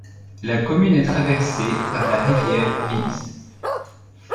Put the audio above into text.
La commune est traversée par la rivière Vils.